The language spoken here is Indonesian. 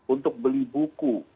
untuk beli buku